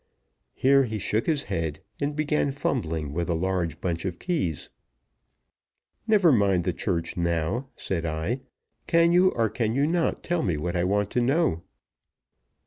Here he shook his head and began fumbling with a large bunch of keys. "Never mind the church now," said I. "Can you, or can you not, tell me what I want to know?"